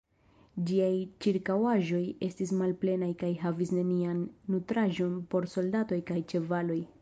Ĝiaj ĉirkaŭaĵoj estis malplenaj kaj havis nenian nutraĵon por soldatoj kaj ĉevaloj.